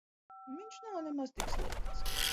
Viņš nav nemaz tik slikts.